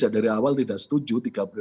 dari awal tidak setuju